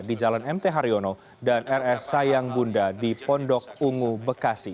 di jalan mt haryono dan rs sayang bunda di pondok ungu bekasi